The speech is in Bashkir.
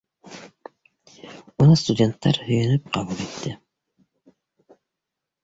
Уны студенттар һөйөнөп ҡабул итте.